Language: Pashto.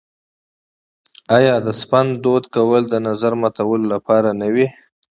آیا د سپند دود کول د نظر ماتولو لپاره نه وي؟